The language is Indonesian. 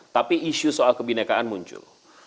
tapi isu soal kebinekaan muncul